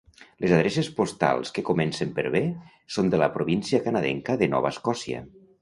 Les adreces postals que comencen per B són de la província canadenca de Nova Escòcia.